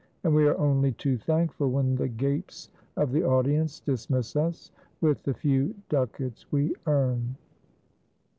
And we are only too thankful when the gapes of the audience dismiss us with the few ducats we earn.